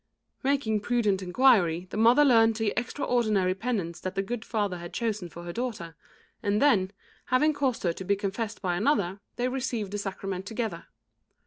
Making prudent inquiry, the mother learnt the extraordinary penance that the good father had chosen for her daughter; and then, having caused her to be confessed by another, they received the sacrament together.